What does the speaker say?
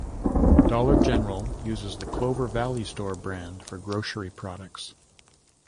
Dollar General uses the Clover Valley store brand for grocery products.